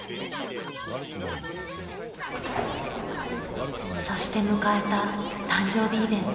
［そして迎えた誕生日イベント］